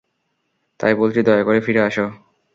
তাই বলছি দয়া করে ফিরে আসো।